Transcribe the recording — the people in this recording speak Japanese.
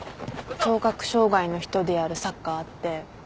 聴覚障がいの人でやるサッカーあって。